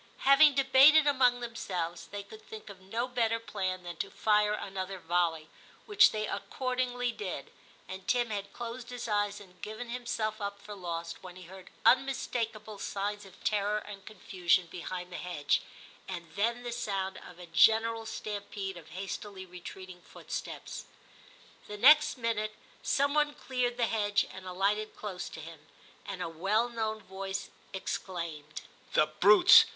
Having debated among themselves, they could think of no better plan than to fire another volley, which they accordingly did, and Tim had closed his eyes and given him self up for lost when he heard unmistakable signs of terror and confusion behind the hedge, and then the sound of a general stampede of hastily retreating footsteps. The next minute some one cleared the hedge and alighted close to him, and a well known voice exclaimed, 'The brutes!